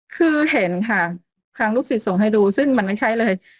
คือเห็นค่ะทางลูกศิษย์ส่งให้ดูซึ่งมันไม่ใช่เลย